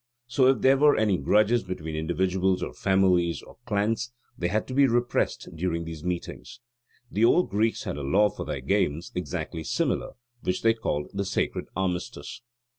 So if there were any grudges between individuals, or families, or clans, they had to be repressed during these meetings. The old Greeks had a law for their games exactly similar, which they called the "Sacred Armistice."